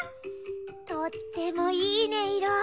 とってもいいねいろ。